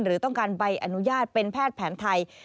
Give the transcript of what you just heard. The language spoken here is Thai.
หรือต้องการใบอนุญาตเป็นแพทย์แผนไทย